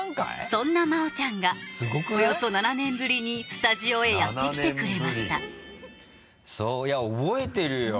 そんな真央ちゃんがおよそ７年ぶりにスタジオへやって来てくれましたそういや覚えてるよ。